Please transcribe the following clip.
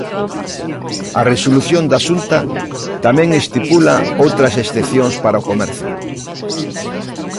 A resolución da Xunta tamén estipula outras excepcións para o comercio.